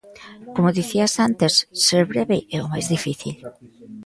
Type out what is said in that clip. Como dicías antes, ser breve é o máis difícil.